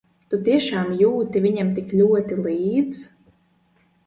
Tu tiešām jūti viņam tik ļoti līdz?